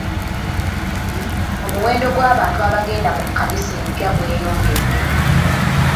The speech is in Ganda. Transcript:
Omuwendo gw'abantu abagenda mu kkanisa empya gweyongedde.